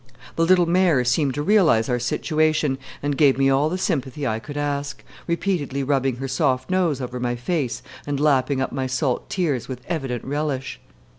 The little mare seemed to realize our situation, and gave me all the sympathy I could ask, repeatedly rubbing her soft nose over my face and lapping up my salt tears with evident relish.